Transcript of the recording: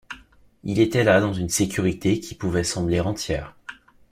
Il était là dans une sécurité qui pouvait sembler entière.